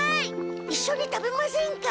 いっしょに食べませんか？